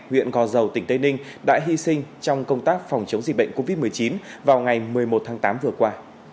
huyện gò dầu tỉnh tây ninh đã hy sinh trong công tác phòng chống dịch bệnh covid một mươi chín vào ngày một mươi một tháng tám vừa qua